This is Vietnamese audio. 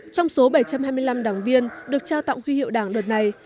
trong số bảy trăm hai mươi năm đảng viên được trao tặng huy hiệu đảng đợt này